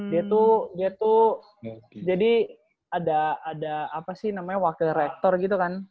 dia tuh dia tuh jadi ada apa sih namanya wakil rektor gitu kan